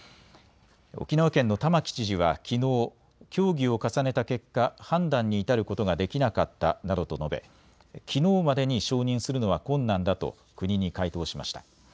沖縄県の玉城知事はきのう協議を重ねた結果、判断に至ることができなかったなどと述べ、きのうまでに承認するのは困難だと国に回答しました。